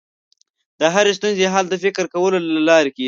د هرې ستونزې حل د فکر کولو له لارې کېږي.